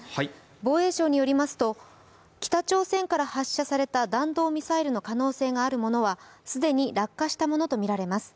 防衛省によりますと、北朝鮮から発射された弾道ミサイルの可能性のあるものは既に落下したものとみられます。